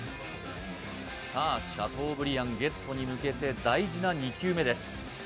さあシャトーブリアンＧＥＴに向けて大事な２球目です